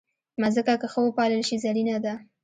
مځکه که ښه وپالل شي، زرینه ده.